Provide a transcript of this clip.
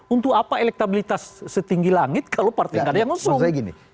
untuk apa elektabilitas setinggi langit kalau partai nggak ada yang usung